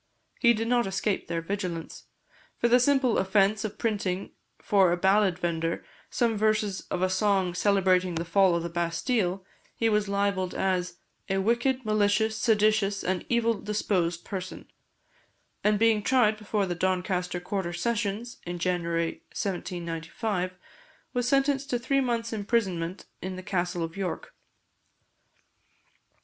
He did not escape their vigilance; for the simple offence of printing for a ballad vender some verses of a song celebrating the fall of the Bastile, he was libelled as "a wicked, malicious, seditious, and evil disposed person;" and being tried before the Doncaster Quarter Sessions, in January 1795, was sentenced to three months' imprisonment in the Castle of York.